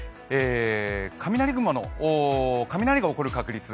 雷雲の、雷が起こる確率